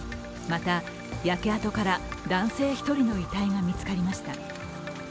また、焼け跡から男性１人の遺体が見つかりました。